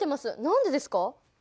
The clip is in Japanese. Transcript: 何でですか？